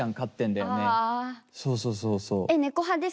そうそうそうそう。